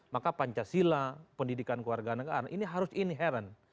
maka pancasila pendidikan keluarga negara ini harus inherent